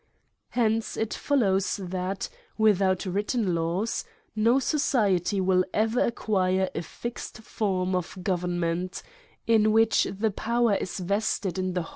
Hence it follows, that, without written laws, no society will ever acquire a fixed form of go vernment, in which the power is vested in the CKIl^IES AND PUNISHMENTS.